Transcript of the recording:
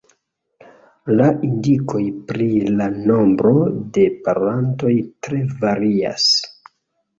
La indikoj pri la nombro de parolantoj tre varias.